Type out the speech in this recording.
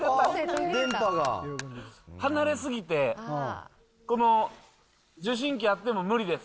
離れ過ぎて、この受信機あっても無理です。